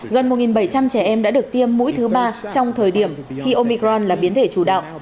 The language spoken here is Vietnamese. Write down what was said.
gần một bảy trăm linh trẻ em đã được tiêm mũi thứ ba trong thời điểm khi omicron là biến thể chủ đạo